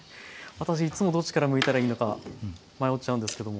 私いっつもどっちからむいたらいいのか迷っちゃうんですけども。